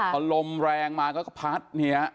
ค่ะอารมณ์แรงมาก็พัดเนี่ย